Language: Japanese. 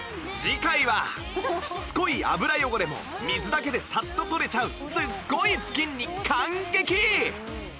次回はしつこい油汚れも水だけでサッと取れちゃうすっごい布巾に感激